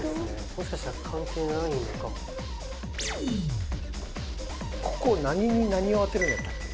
もしかしたら関係ないのかもここ何に何を当てるんやったっけ？